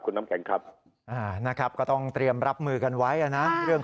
คุณน้ำแข็งครับนะครับก็ต้องเตรียมรับมือกันไว้นะเรื่อง